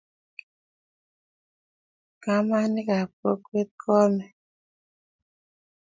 kamanik ab kokwee kohomei